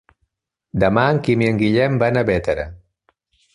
Demà en Quim i en Guillem van a Bétera.